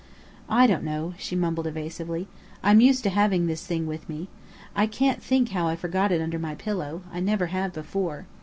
"I don't know," she mumbled evasively. "I'm used to having this thing with me. I can't think how I forgot it under my pillow. I never have before.